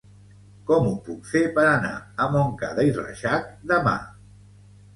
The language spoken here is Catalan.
Com ho puc fer per anar a Montcada i Reixac demà?